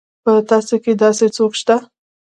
په تاسي کې داسې څوک شته.